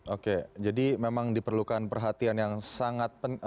oke jadi memang diperlukan perhatian yang sangat penting